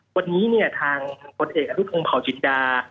วันนี้เนี่ยทางคนเอกอธิบทรุปงภาวชินตา